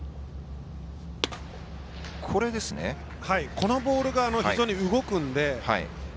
このボールが非常に動くんですね。